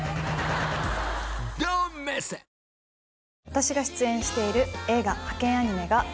私が出演している。